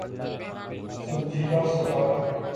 سنجیدہ سوال ہے۔